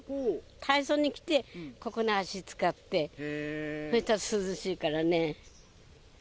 体操に来て、ここに足つかって、そしたら涼しいからね。